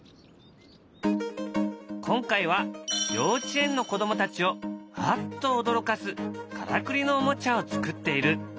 今回は幼稚園の子どもたちをアッと驚かすからくりのおもちゃを作っている。